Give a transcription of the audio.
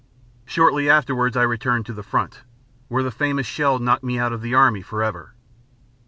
Shortly afterwards I returned to the front, where the famous shell knocked me out of the Army forever.